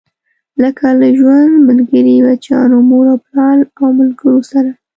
لکه له ژوند ملګري، بچيانو، مور او پلار او ملګرو سره.